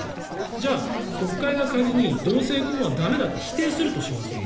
じゃあ、国会が仮に同性婚は駄目だと否定するとしますよね。